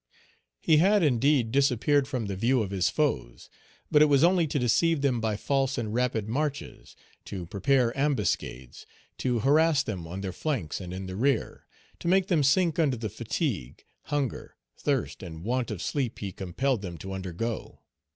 He had indeed disappeared from the view of his foes, but it was only to deceive them by false and rapid marches, to prepare ambuscades, to harass them on their flanks and in the rear; to make them sink under the fatigue, hunger, thirst, and want of sleep he compelled them to undergo.